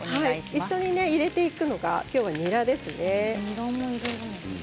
一緒に入れていくのがきょうは、にらですね。